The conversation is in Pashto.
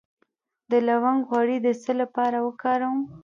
د لونګ غوړي د څه لپاره وکاروم؟